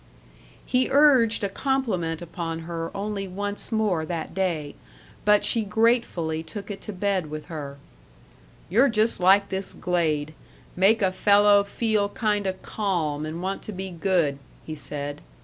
He urged a compliment upon her only once more that day; but she gratefully took it to bed with her: "You're just like this glade make a fellow feel kinda calm and want to be good," he said.